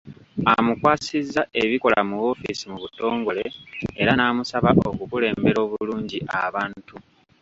Amukwasizza ebikola mu woofiisi mu butongole era n’amusaba okukulembera obulungi abantu.